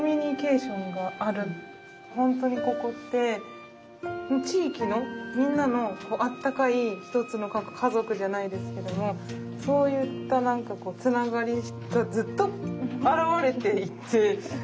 本当にここって地域のみんなのあったかい一つの家族じゃないですけどもそういった何かつながりがずっと表れていて。